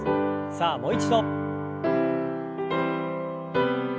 さあもう一度。